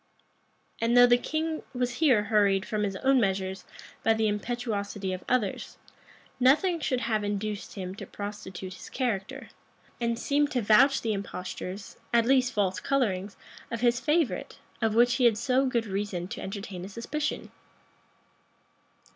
And though the king was here hurried from his own measures by the impetuosity of others, nothing should have induced him to prostitute his character, and seem to vouch the impostures, at least false colorings, of his favorite, of which he had so good reason to entertain a suspicion.